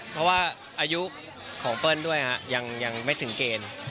เพราะว่าอายุของเปิ้ลด้วยยังไม่ถึงเกณฑ์